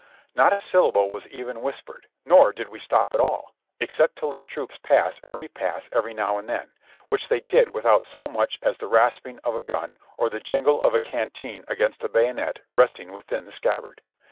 Not a syl lable was even whispered, nor did we stop at all, except to let troops pass and repass every now and then, which they did with out so much as the rasping of a gun or the jingle of a canteen against a bayonet resting within the scabbard.